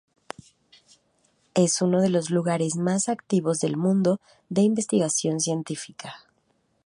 Es uno de los lugares más activos del mundo de investigación científica.